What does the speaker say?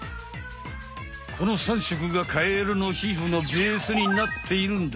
この３色がカエルのひふのベースになっているんだ。